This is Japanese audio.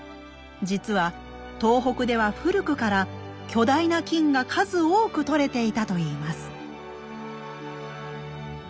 実は東北では古くから巨大な金が数多く採れていたといいます。